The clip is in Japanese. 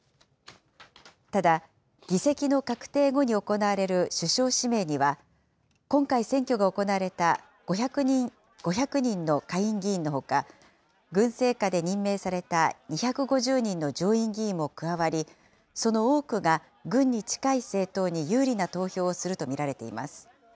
ただ、議席の確定後に行われる首相指名には、今回選挙が行われた５００人の下院議員のほか、軍政下で任命された２５０人の上院議員も加わり、その多くが、軍に近い政党に有利な投票をすると見られています。